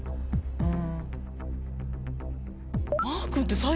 うん。